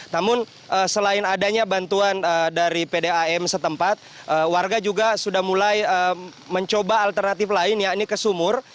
namun selain adanya bantuan dari pdam setempat warga juga sudah mulai mencoba alternatif lain yakni ke sumur